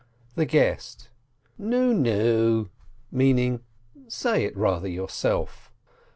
The guest: "Nu nu!" (meaning, "Say it rather your self